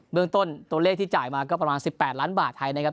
เมืองต้นตัวเลขที่จ่ายมาก็ประมาณ๑๘ล้านบาทไทยนะครับ